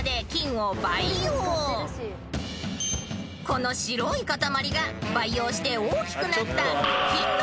［この白い塊が培養して大きくなった］